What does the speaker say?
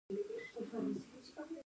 د مقالې د بیا سپارلو غوښتنه هم کیدای شي.